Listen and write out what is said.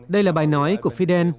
đây là bài nói của fidel